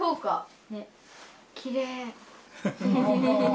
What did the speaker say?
きれい。